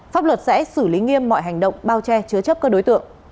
pháp luật sẽ xử lý nghiêm mọi hành động bao che chứa chấp các đối tượng